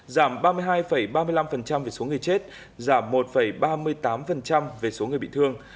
giảm ba mươi hai ba mươi năm về số người chết giảm một ba mươi tám về số người bị thương